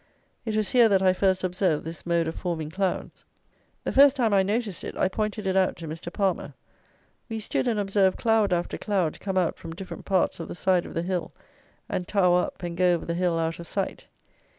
It was here that I first observed this mode of forming clouds. The first time I noticed it, I pointed it out to Mr. Palmer. We stood and observed cloud after cloud come out from different parts of the side of the hill, and tower up and go over the hill out of sight.